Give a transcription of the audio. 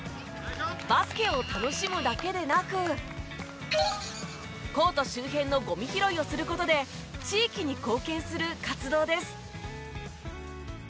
バスケを楽しむだけでなくコート周辺のゴミ拾いをする事で地域に貢献する活動です。